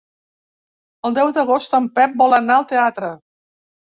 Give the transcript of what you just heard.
El deu d'agost en Pep vol anar al teatre.